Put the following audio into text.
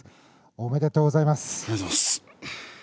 ありがとうございます。